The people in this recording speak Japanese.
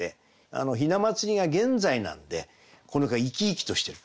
雛祭が現在なんでこの句は生き生きとしてる。